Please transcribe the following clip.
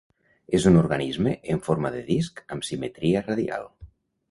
És un organisme en forma de disc amb simetria radial.